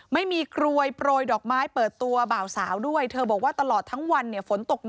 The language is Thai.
ไม่มีกลวยโปรยดอกไม้เปิดตัวบ่าวสาวด้วย